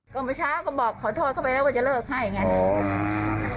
ก็เมื่อเช้าก็บอกขอโทษเข้าไปแล้วว่าจะเลิกให้ไง